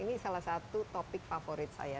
ini salah satu topik favorit saya